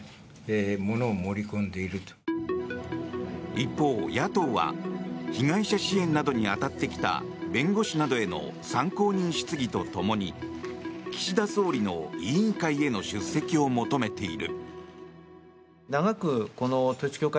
一方、野党は被害者支援などに当たってきた弁護士などへの参考人質疑とともに岸田総理の委員会への出席を求めている。